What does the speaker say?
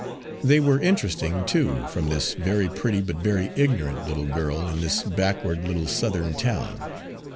They were interesting, too, from this very pretty but very ignorant little girl in this backward little Southern town.